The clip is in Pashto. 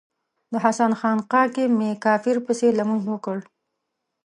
د حسن خانقا کې می کافر پسې لمونځ وکړ